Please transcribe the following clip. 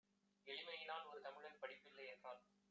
எளிமையினால் ஒருதமிழன் படிப்பில்லை யென்றால்